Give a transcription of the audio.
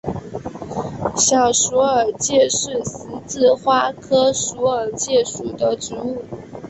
小鼠耳芥是十字花科鼠耳芥属的植物。